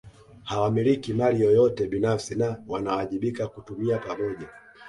Hawamiliki mali yeyote binafsi na wanawajibika kutumia pamoja